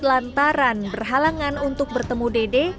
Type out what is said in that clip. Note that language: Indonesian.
lantaran berhalangan untuk bertemu dede